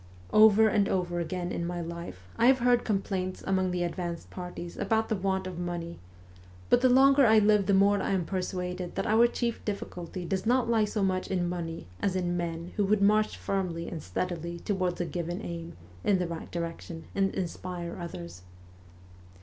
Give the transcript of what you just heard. Over and over again in my life I have heard complaints among the advanced parties about the want of money, but the longer I live the more I am persuaded that our chief difficulty does not lie so much in money as in men who would march firmly and steadily towards a given aim in the right direction and inspire others.